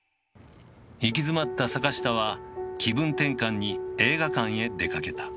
行き詰まった坂下は気分転換に映画館へ出かけた。